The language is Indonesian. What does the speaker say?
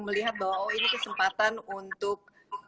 melihat bahwa oh ini kesempatan untuk